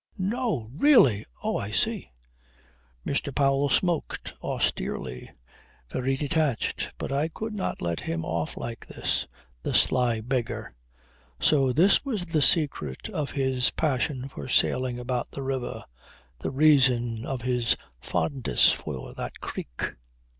"No! Really! Oh I see!" Mr. Powell smoked austerely, very detached. But I could not let him off like this. The sly beggar. So this was the secret of his passion for sailing about the river, the reason of his fondness for that creek.